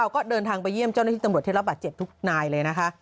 ก็เดินทางไปเยี่ยมเจ้าหน้าที่ตำรวจที่รับบาดเจ็บทุกนายเลยนะคะ